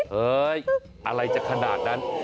เฮ้ยอะไรจะขนาดนั้น